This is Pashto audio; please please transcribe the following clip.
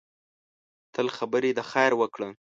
تل خبرې د خیر وکړه